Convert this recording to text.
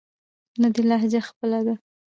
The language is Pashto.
نه دې لهجه خپله ده.